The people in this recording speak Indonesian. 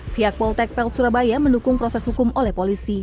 pihak politeknik pelayaran surabaya mendukung proses hukum oleh polisi